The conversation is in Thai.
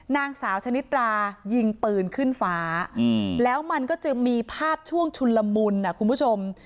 นางสาวชนิดรายิงปืนขึ้นฟ้าแล้วมันก็จะมีภาพช่วงชุนละมุนคุณผู้ชม